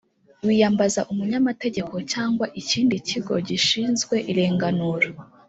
wi yambaza umunyamategeko cyangwa ikindi kigo gishinzwe irenganura.